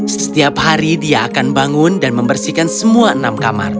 setiap hari dia akan bangun dan membersihkan semua enam kamar